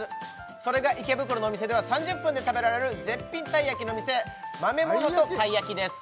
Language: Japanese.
それが池袋のお店では３０分で食べられる絶品たい焼きの店まめものとたい焼きです